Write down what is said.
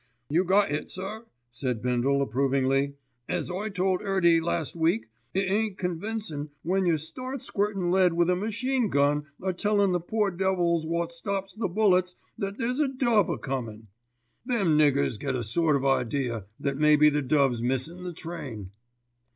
"You got it, sir," said Bindle approvingly. "As I told 'Earty last week, it ain't convincin' when yer starts squirtin' lead with a machine gun a tellin' the poor devils wot stops the bullets that there's a dove a comin'. Them niggers get a sort of idea that maybe the dove's missed the train."